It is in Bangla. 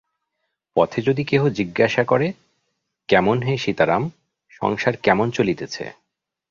পথে যদি কেহ জিজ্ঞাসা করে, কেমন হে সীতারাম, সংসার কেমন চলিতেছে?